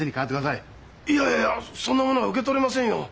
いやいやそんなものは受け取れませんよ。